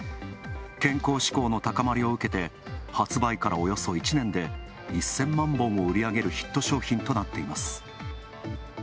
健康志向の高まりを受けて発売からおよそ１年で１０００万本を売り上げるヒット商品となっています。